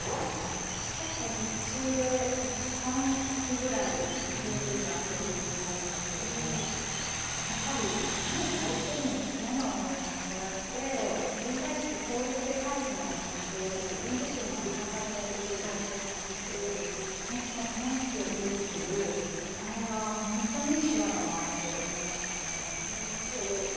私、結構、劇中でいちばん好きぐらい好きなせりふなんですけどやっぱり何か相手に嫌な思いをさせられてそれに対して攻撃で返すのではなくて自分自身の在り方で仕返しをするという楽しくいるというこれが本当にいい手話だなと思いましたね。